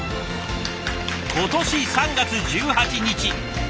今年３月１８日。